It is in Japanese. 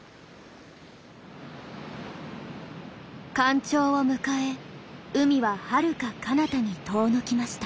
干潮を迎え海ははるかかなたに遠のきました。